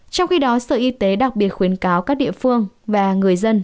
trong khi đó sở y tế đặc biệt khuyến cáo các địa phương và người dân